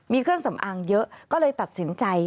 มีเครื่องสำอางเยอะก็เลยตัดสินใจ